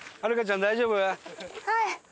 はい！